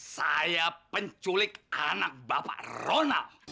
saya penculik anak bapak ronald